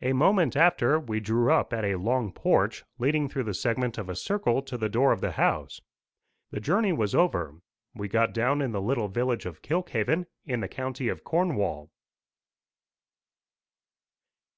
A moment after, we drew up at a long porch, leading through the segment of a circle to the door of the house. The journey was over. We got down in the little village of Kilkhaven, in the county of Cornwall.